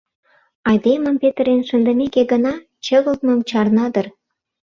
Айдемым петырен шындымеке гына, чыгылтмым чарна дыр.